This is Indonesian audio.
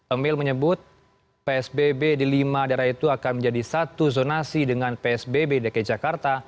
emil menyebut psbb di lima daerah itu akan menjadi satu zonasi dengan psbb dki jakarta